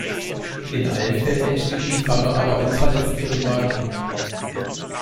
In allen Fällen entstiegen die Fahrer aber unverletzt ihren Wagen.